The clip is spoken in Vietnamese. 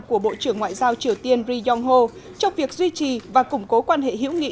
của bộ trưởng ngoại giao triều tiên ri yong ho trong việc duy trì và củng cố quan hệ hữu nghị